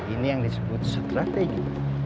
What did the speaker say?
ini yang disebut strategi